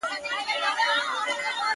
• د نغمو آمیل په غاړه راغلم یاره,